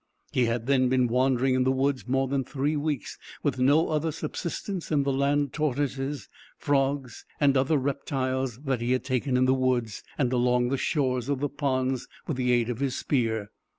He had then been wandering in the woods, more than three weeks, with no other subsistence than the land tortoises, frogs, and other reptiles that he had taken in the woods, and along the shores of the ponds, with the aid of his spear.